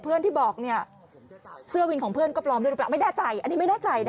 เพื่อนที่บอกเนี่ยเสื้อวินของเพื่อนก็ปลอมด้วยหรือเปล่าไม่แน่ใจอันนี้ไม่แน่ใจนะ